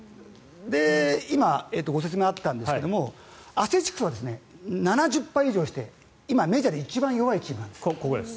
今、ご説明があったんですがアスレチックスは７０敗して今、メジャーで一番弱いチームなんです。